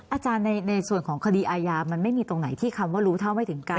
อาจารย์ในส่วนของคดีอายามันไม่มีตรงไหนที่คำว่ารู้เท่าไม่ถึงกัน